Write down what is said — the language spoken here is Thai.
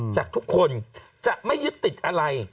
จากทุกคนจะไม่ยึดติดอะไร